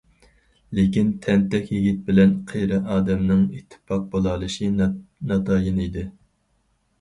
لېكىن تەنتەك يىگىت بىلەن قېرى ئادەمنىڭ ئىتتىپاق بولالىشى ناتايىن ئىدى.